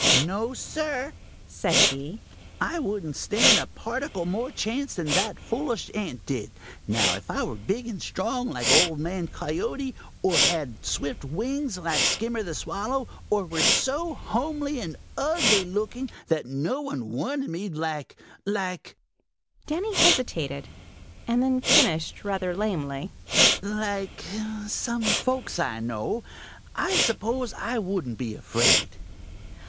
"No, Sir," said he, "I wouldn't stand a particle more chance than that foolish ant did. Now if I were big and strong, like Old Man Coyote, or had swift wings, like Skimmer the Swallow, or were so homely and ugly looking that no one wanted me, like—like—" Danny hesitated and then finished rather lamely, "like some folks I know, I suppose I wouldn't be afraid."